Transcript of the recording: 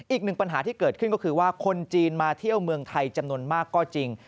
อีกหนึ่งปัญหาที่เกิดขึ้นก็คือว่าคนจีนมาเที่ยวเมืองไทยจำนวนมากก็จริง